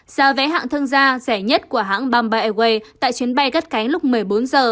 giá vé hạng thương gia rẻ nhất của hãng bamboo airways tại chuyến bay gắt cánh lúc một mươi bốn h